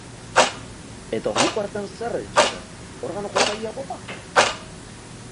Eta orduko hartan zer egin zuten, organo-jotzailea bota?